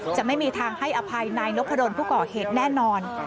จะไม่มีทางให้อภัยนายนพดลผู้ก่อเหตุแน่นอน